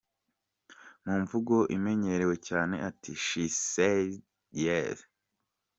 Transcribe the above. Mu mvugo imenyerewe cyane ati “She said yes!”.